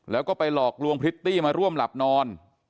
แล้วก็ไปหลอกลวงพริตตี้มาร่วมหลับนอน